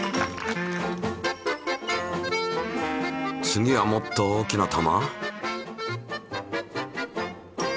次はもっと大きな球？